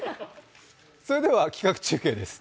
それでは企画中継です。